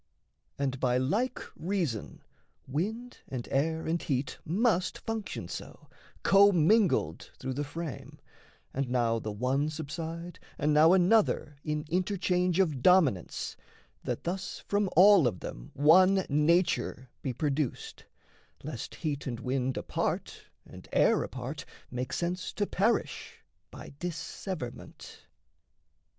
And by like reason wind and air and heat Must function so, commingled through the frame, And now the one subside and now another In interchange of dominance, that thus From all of them one nature be produced, Lest heat and wind apart, and air apart, Make sense to perish, by disseverment.